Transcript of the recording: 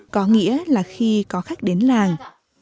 có nghĩa là khi có khách đến làng